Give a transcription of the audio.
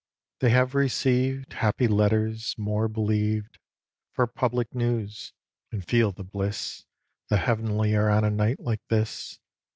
They have receiv'd Happy letters, more believ'd For public news, and feel the bliss The heavenlier on a night like this.